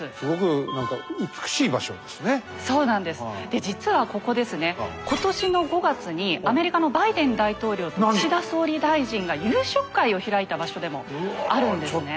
で実はここですね今年の５月にアメリカのバイデン大統領と岸田総理大臣が夕食会を開いた場所でもあるんですね。